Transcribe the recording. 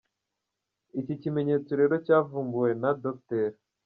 Iki kimenyetso rero cyavumbuwe na Dr.